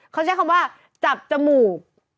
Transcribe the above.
เขาใช้คำว่าจับจมูก